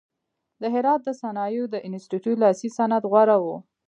د هرات د صنایعو د انستیتیوت لاسي صنعت غوره و.